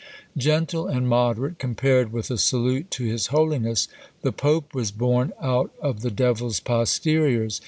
Gentle and moderate, compared with a salute to his holiness: "The Pope was born out of the Devil's posteriors.